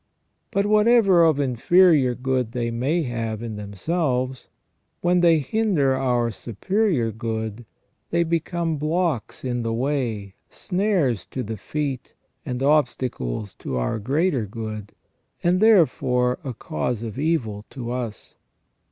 But whatever of inferior good they may have in themselves, when they hinder our superior good^ they become blocks in the way, snares to the feet, and obstacles to our greater good, and therefore a cause of evil to us.